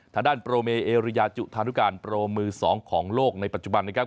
ทางด้านโปรเมเอเรียจุธานุการโปรมือ๒ของโลกในปัจจุบันนะครับ